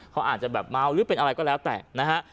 เขาอาจจะแบบเมาหรือเป็นอะไรก็แล้วแต่นะฮะ